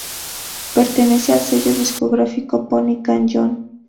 Pertenecen al sello discográfico Pony Canyon.